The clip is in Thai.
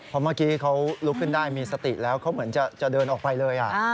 เพราะเมื่อกี้เขาลุกขึ้นได้มีสติแล้วเขาเหมือนจะเดินออกไปเลย